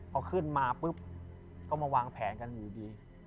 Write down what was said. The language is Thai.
พอขึ้นมาปุ๊บก็มาวางแผนกันอยู่ดี